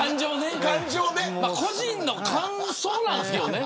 個人の感想なんですけどね